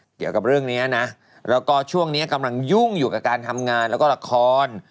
เกี่ยวกับเรื่องนี้นะแล้วก็ช่วงนี้กำลังยุ่งอยู่กับการทำงานแล้วก็ละคร